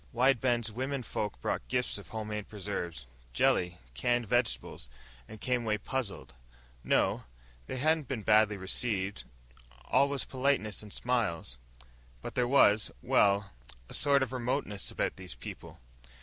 Wide Bend's womenfolk brought gifts of home made preserves, jelly, canned vegetables ... and came away puzzled. No, they hadn't been badly received. All was politeness and smiles. But there was well, a sort of remoteness about these people.